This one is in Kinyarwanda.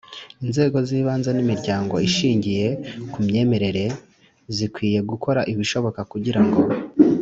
Inzego z ibanze n imiryango ishingiye ku myemerere zikwiye gukora ibishoboka kugira ngo